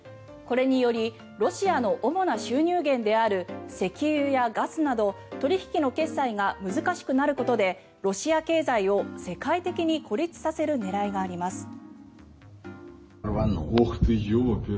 これによりロシアの主な収入源である石油やガスなど取引の決済が難しくなることでロシア経済を世界的に孤立させる狙いがあります。